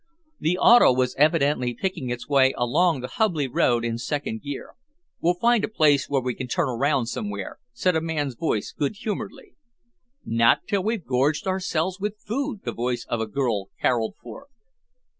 The auto was evidently picking its way along the hubbly road in second gear. "We'll find a place where we can turn around somewhere," said a man's voice good humoredly. "Not till we've gorged ourselves with food," the voice of a girl caroled forth.